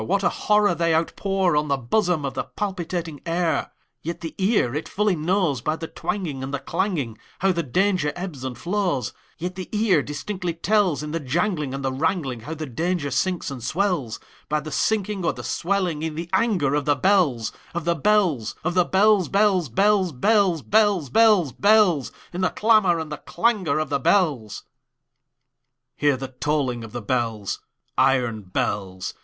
What a horror they outpourOn the bosom of the palpitating air! Yet the ear it fully knows, By the twangingAnd the clanging, How the danger ebbs and flows; Yet the ear distinctly tells, In the janglingAnd the wrangling, How the danger sinks and swells,—By the sinking or the swelling in the anger of the bells, Of the bells, Of the bells, bells, bells, bells, Bells, bells, bells—In the clamor and the clangor of the bells! Hear the tolling of the bells, Iron bells!